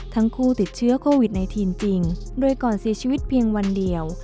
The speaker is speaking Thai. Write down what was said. ทั้งคู่ติดเชื้อโควิด๑๙จริงโดยก่อนเสียชีวิตเพียงวันเดียว